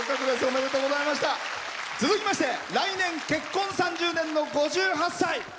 続きまして結婚３０年の５８歳。